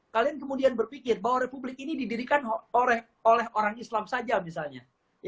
kalian kemudian berpikir bahwa republik ini didirikan oleh orang islam saja misalnya